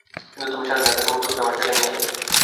কিন্তু তুমি ছাড়লে না, তাকে মুক্ত করতে আমাকে সাথে নিয়ে এলে।